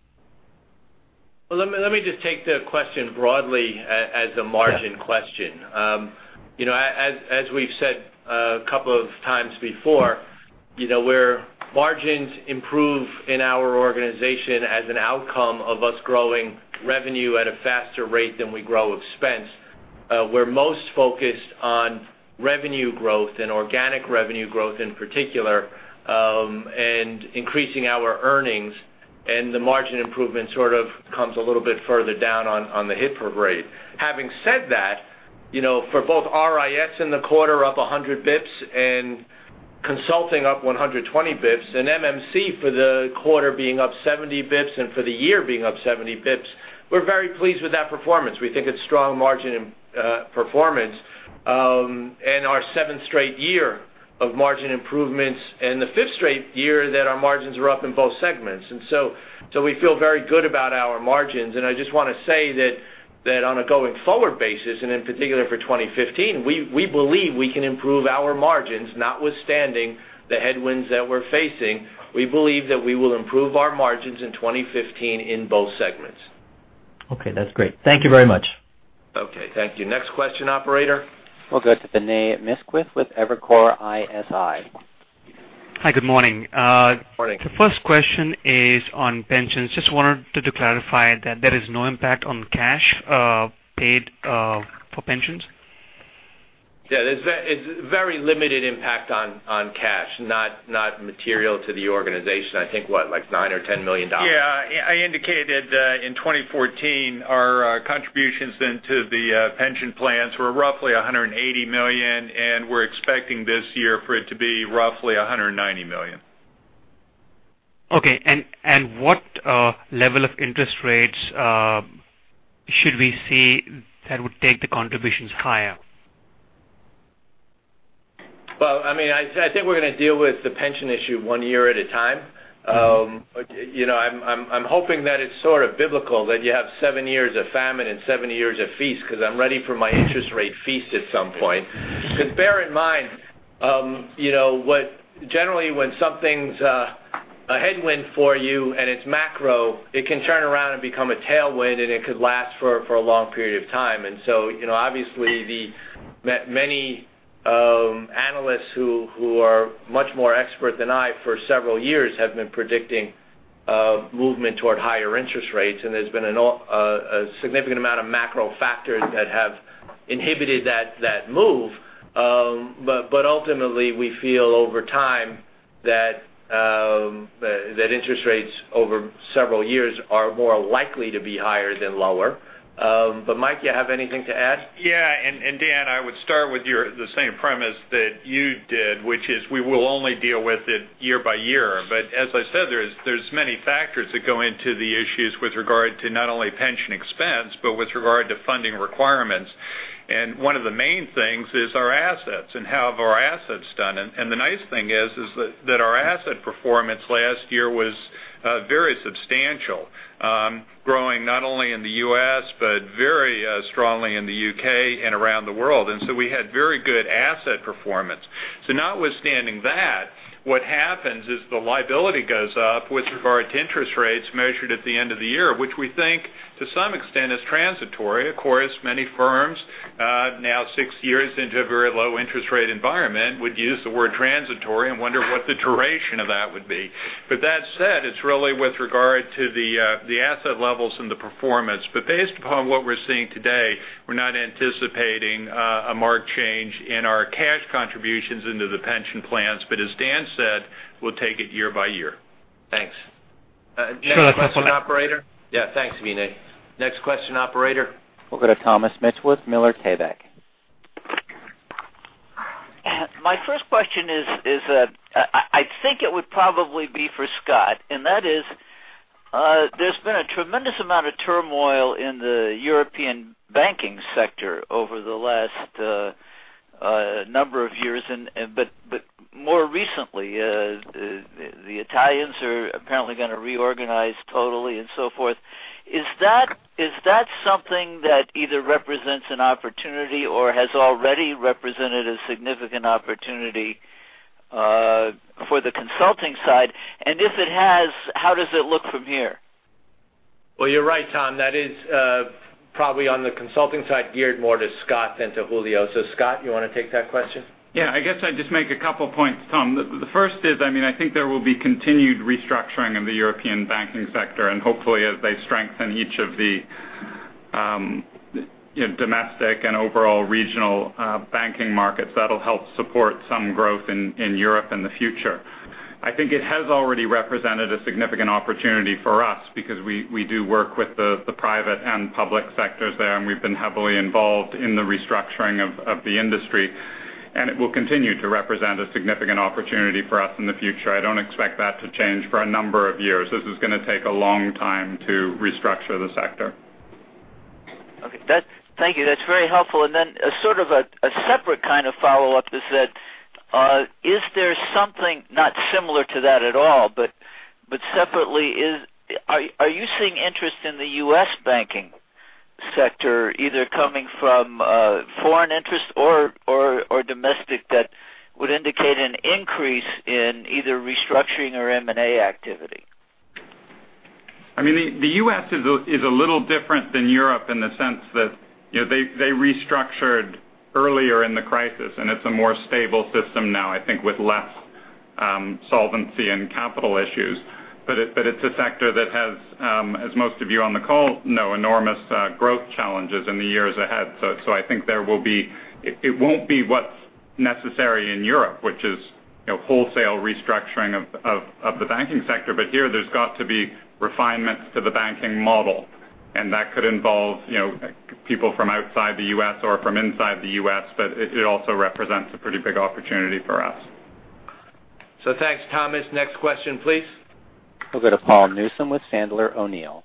Well, let me just take the question broadly as a margin question. As we've said a couple of times before, where margins improve in our organization as an outcome of us growing revenue at a faster rate than we grow expense, we're most focused on revenue growth and organic revenue growth in particular, and increasing our earnings, and the margin improvement sort of comes a little bit further down on the hit parade. Having said that, for both RIS in the quarter up 100 basis points and consulting up 120 basis points, MMC for the quarter being up 70 basis points and for the year being up 70 basis points, we're very pleased with that performance. We think it's strong margin performance and our seventh straight year of margin improvements and the fifth straight year that our margins are up in both segments. We feel very good about our margins. I just want to say that on a going forward basis, and in particular for 2015, we believe we can improve our margins, notwithstanding the headwinds that we're facing. We believe that we will improve our margins in 2015 in both segments. Okay, that's great. Thank you very much. Okay, thank you. Next question, operator. We'll go to Vinay Misquith with Evercore ISI. Hi, good morning. Morning. The first question is on pensions. Just wanted to clarify that there is no impact on cash paid for pensions. Yeah, it's very limited impact on cash, not material to the organization. I think what? Like $9 or $10 million. Yeah. I indicated in 2014, our contributions into the pension plans were roughly $180 million, and we're expecting this year for it to be roughly $190 million. Okay. What level of interest rates should we see that would take the contributions higher? Well, I think we're going to deal with the pension issue one year at a time. I'm hoping that it's sort of biblical, that you have seven years of famine and 70 years of feast, because I'm ready for my interest rate feast at some point. Bear in mind, generally when something's a headwind for you and it's macro, it can turn around and become a tailwind, and it could last for a long period of time. Obviously, the many analysts who are much more expert than I for several years have been predicting movement toward higher interest rates, and there's been a significant amount of macro factors that have inhibited that move. Ultimately, we feel over time that interest rates over several years are more likely to be higher than lower. Mike, you have anything to add? Yeah. Dan, I would start with the same premise that you did, which is we will only deal with it year by year. As I said, there's many factors that go into the issues with regard to not only pension expense, but with regard to funding requirements. One of the main things is our assets and how have our assets done. The nice thing is that our asset performance last year was very substantial, growing not only in the U.S. but very strongly in the U.K. and around the world. We had very good asset performance. Notwithstanding that, what happens is the liability goes up with regard to interest rates measured at the end of the year, which we think to some extent is transitory. Of course, many firms, now six years into a very low interest rate environment, would use the word transitory and wonder what the duration of that would be. That said, it's really with regard to the asset levels and the performance. Based upon what we're seeing today, we're not anticipating a marked change in our cash contributions into the pension plans. As Dan said, we'll take it year by year. Thanks. Sure, that's fine. Next question, operator? Yeah, thanks, Vinay. Next question, operator. We'll go to Thomas Mitchell with Miller Tabak. My first question is, I think it would probably be for Scott, and that is, there's been a tremendous amount of turmoil in the European banking sector over the last number of years. More recently, the Italians are apparently going to reorganize totally and so forth. Is that something that either represents an opportunity or has already represented a significant opportunity for the consulting side? If it has, how does it look from here? Well, you're right, Thomas Mitchell, that is probably on the consulting side, geared more to Scott McDonald than to Julio Portalatin. Scott McDonald, you want to take that question? Yeah, I guess I'd just make a couple points, Thomas Mitchell. The first is, I think there will be continued restructuring of the European banking sector, and hopefully as they strengthen each of the domestic and overall regional banking markets, that'll help support some growth in Europe in the future. I think it has already represented a significant opportunity for us because we do work with the private and public sectors there, and we've been heavily involved in the restructuring of the industry, and it will continue to represent a significant opportunity for us in the future. I don't expect that to change for a number of years. This is going to take a long time to restructure the sector. Okay. Thank you. That's very helpful. Then, sort of a separate kind of follow-up is that, is there something, not similar to that at all, but separately, are you seeing interest in the U.S. banking sector, either coming from foreign interest or domestic, that would indicate an increase in either restructuring or M&A activity? The U.S. is a little different than Europe in the sense that they restructured earlier in the crisis, and it's a more stable system now, I think with less solvency and capital issues. It's a sector that has, as most of you on the call know, enormous growth challenges in the years ahead. I think it won't be what's necessary in Europe, which is wholesale restructuring of the banking sector. Here, there's got to be refinements to the banking model, and that could involve people from outside the U.S. or from inside the U.S., but it also represents a pretty big opportunity for us. Thanks, Thomas. Next question, please. We'll go to Paul Newsome with Sandler O'Neill.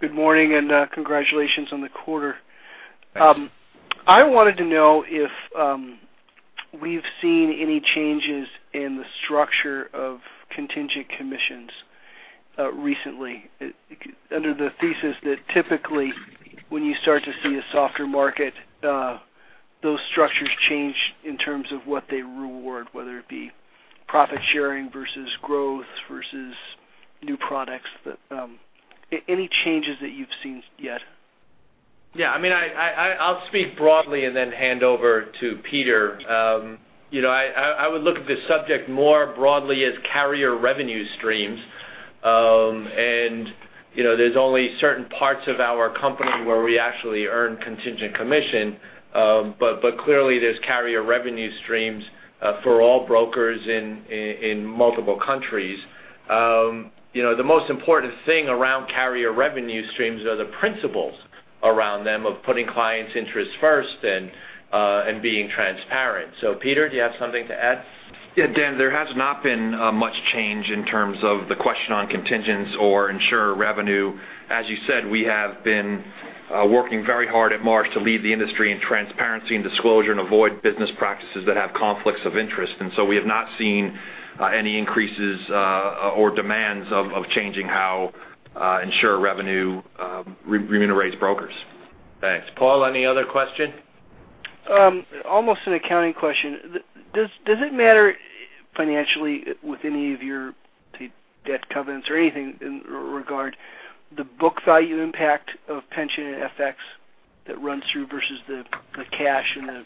Good morning, and congratulations on the quarter. Thanks. I wanted to know if we've seen any changes in the structure of contingent commissions recently, under the thesis that typically when you start to see a softer market, those structures change in terms of what they reward, whether it be profit sharing versus growth versus new products. Any changes that you've seen yet? I'll speak broadly and then hand over to Peter. I would look at this subject more broadly as carrier revenue streams. There's only certain parts of our company where we actually earn contingent commission. Clearly, there's carrier revenue streams for all brokers in multiple countries. The most important thing around carrier revenue streams are the principles around them of putting clients' interests first and being transparent. Peter, do you have something to add? Dan, there has not been much change in terms of the question on contingents or insurer revenue. As you said, we have been working very hard at Marsh to lead the industry in transparency and disclosure and avoid business practices that have conflicts of interest. We have not seen any increases or demands of changing how insurer revenue remunerates brokers. Thanks. Paul, any other question? Almost an accounting question. Does it matter financially with any of your, say, debt covenants or anything in regard the book value impact of pension and FX that runs through versus the cash and the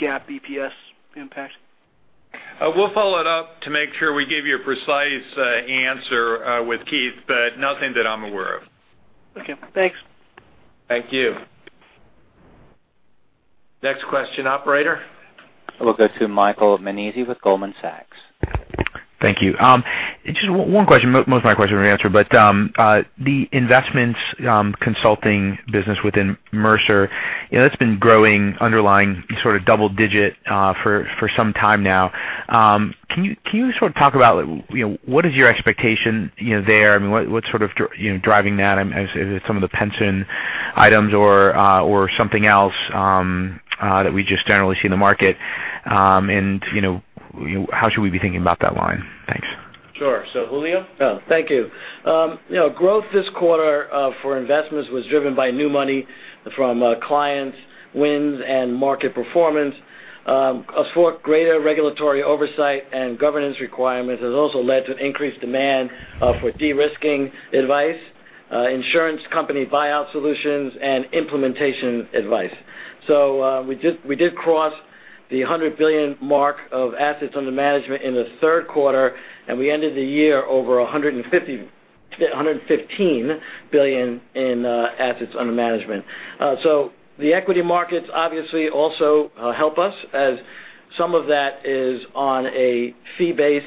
GAAP EPS impact? We'll follow it up to make sure we give you a precise answer with Keith, nothing that I'm aware of. Okay, thanks. Thank you. Next question, operator. We'll go to Michael Nannizzi with Goldman Sachs. Thank you. Just one question. Most of my question was answered, but the investments consulting business within Mercer, that's been growing underlying sort of double digit for some time now. Can you sort of talk about what is your expectation there? What's sort of driving that? Is it some of the pension items or something else that we just don't really see in the market? How should we be thinking about that line? Thanks. Sure. Julio? Thank you. Growth this quarter for investments was driven by new money from clients, wins, and market performance. As for greater regulatory oversight and governance requirements, has also led to increased demand for de-risking advice, insurance company buyout solutions, and implementation advice. We did cross the $100 billion mark of assets under management in the third quarter, and we ended the year over $115 billion in assets under management. The equity markets obviously also help us, as some of that is on a fee base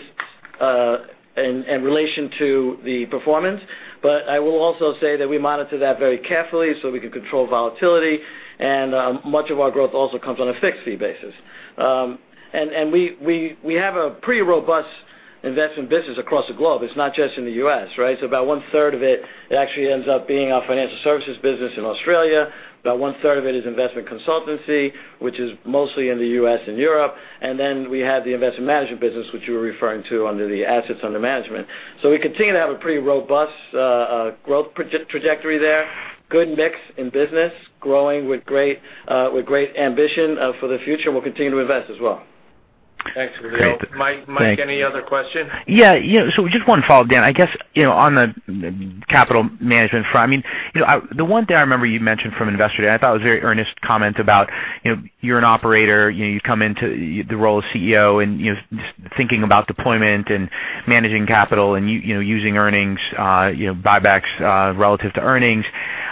in relation to the performance. I will also say that we monitor that very carefully so we can control volatility, and much of our growth also comes on a fixed fee basis. We have a pretty robust investment business across the globe. It's not just in the U.S., right? About one-third of it actually ends up being our financial services business in Australia. About one-third of it is investment consultancy, which is mostly in the U.S. and Europe. We have the investment management business, which you were referring to under the assets under management. We continue to have a pretty robust growth trajectory there. Good mix in business, growing with great ambition for the future. We'll continue to invest as well. Thanks, Julio. Great. Thanks. Mike, any other question? Yeah. Just one follow-up, Dan. I guess, on the capital management front, the one thing I remember you mentioned from Investor Day, and I thought it was a very earnest comment about you're an operator, you've come into the role of CEO, and just thinking about deployment and managing capital and using earnings, buybacks relative to earnings.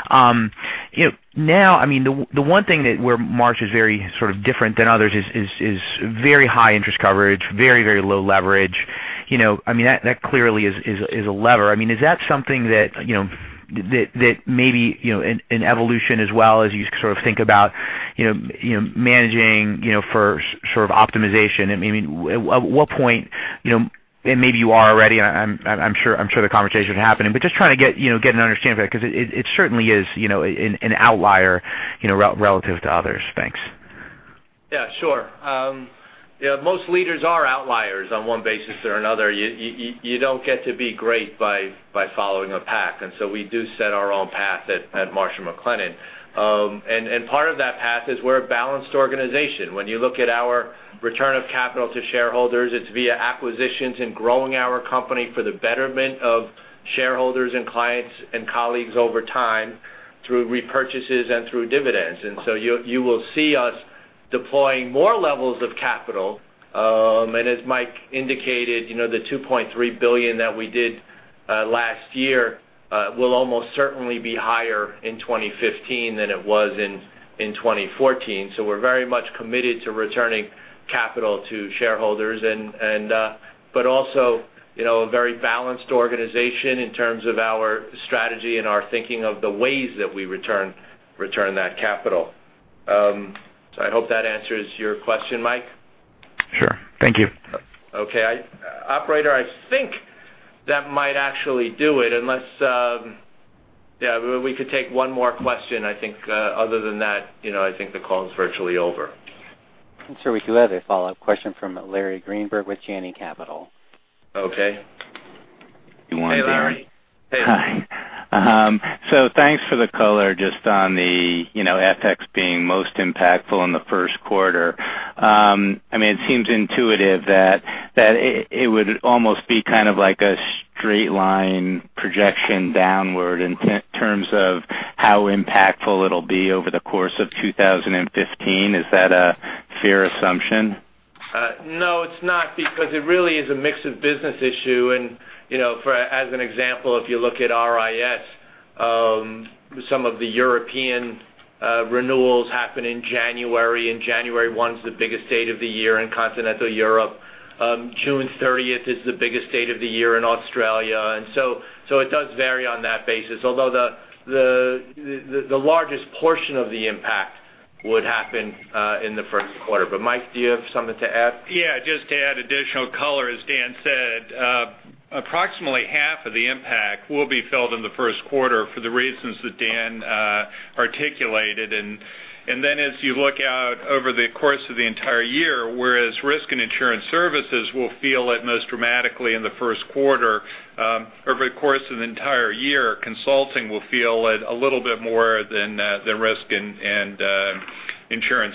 Now, the one thing that where Marsh is very sort of different than others is very high interest coverage, very low leverage. That clearly is a lever. Is that something that maybe, in evolution as well as you sort of think about managing for sort of optimization, and at what point, and maybe you are already, I'm sure the conversation is happening, but just trying to get an understanding of that, because it certainly is an outlier relative to others. Thanks. Yeah, sure. Most leaders are outliers on one basis or another. You don't get to be great by following a pack. We do set our own path at Marsh & McLennan. Part of that path is we're a balanced organization. When you look at our return of capital to shareholders, it's via acquisitions and growing our company for the betterment of shareholders and clients and colleagues over time through repurchases and through dividends. You will see us deploying more levels of capital. As Mike indicated, the $2.3 billion that we did last year will almost certainly be higher in 2015 than it was in 2014. We're very much committed to returning capital to shareholders, but also a very balanced organization in terms of our strategy and our thinking of the ways that we return that capital. I hope that answers your question, Mike. Sure. Thank you. Okay. Operator, I think that might actually do it, unless we could take one more question, I think. Other than that, I think the call's virtually over. I'm sure we do have a follow-up question from Larry Greenberg with Janney Capital. Okay. Hey, Larry. Hi. Thanks for the color just on the FX being most impactful in the first quarter. It seems intuitive that it would almost be kind of like a straight line projection downward in terms of how impactful it'll be over the course of 2015. Is that a fair assumption? No, it's not, because it really is a mix of business issue. As an example, if you look at RIS, some of the European renewals happen in January, and January one's the biggest date of the year in continental Europe. June 30th is the biggest date of the year in Australia, and so it does vary on that basis. Although the largest portion of the impact would happen in the first quarter. Mike, do you have something to add? Just to add additional color, as Dan said, approximately half of the impact will be felt in the first quarter for the reasons that Dan articulated. As you look out over the course of the entire year, whereas risk and insurance services will feel it most dramatically in the first quarter, over the course of the entire year, consulting will feel it a little bit more than the risk and insurance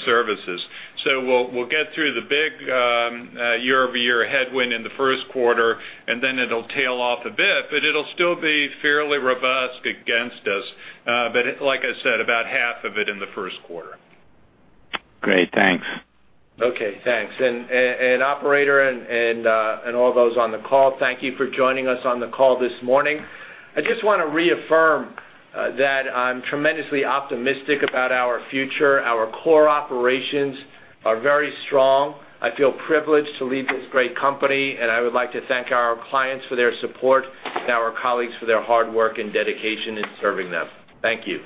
services. We'll get through the big year-over-year headwind in the first quarter, then it'll tail off a bit, but it'll still be fairly robust against us. Like I said, about half of it in the first quarter. Great. Thanks. Thanks. Operator and all those on the call, thank you for joining us on the call this morning. I just want to reaffirm that I'm tremendously optimistic about our future. Our core operations are very strong. I feel privileged to lead this great company, and I would like to thank our clients for their support and our colleagues for their hard work and dedication in serving them. Thank you.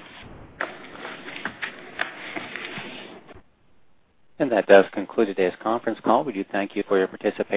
That does conclude today's conference call. We do thank you for your participation